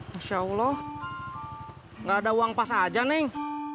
masya allah nggak ada uang pas aja nih